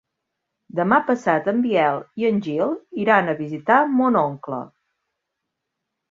Demà passat en Biel i en Gil iran a visitar mon oncle.